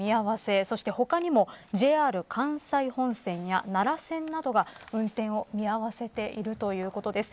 そして、他にもＪＲ関西本線や奈良線などが運転を見合わせているということです。